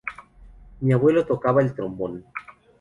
Mi abuelo tocaba el trombón.